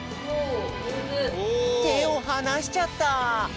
てをはなしちゃった！